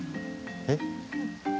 えっ？